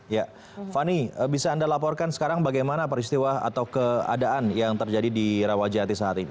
ya fani bisa anda laporkan sekarang bagaimana peristiwa atau keadaan yang terjadi di rawajati saat ini